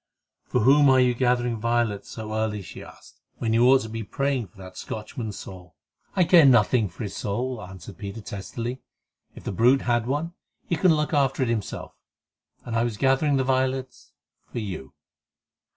"For whom are you gathering violets so early," she asked, "when you ought to be praying for that Scotchman's soul?" "I care nothing for his soul," answered Peter testily. "If the brute had one, he can look after it himself; and I was gathering the violets—for you."